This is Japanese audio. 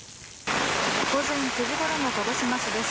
午前９時ごろの鹿児島市です。